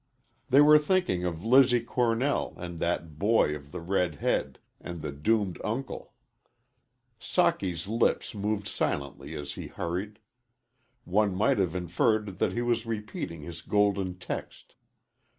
They were thinking of Lizzie Cornell and that boy of the red head and the doomed uncle. Socky's lips moved silently as he hurried. One might have inferred that he was repeating his golden text.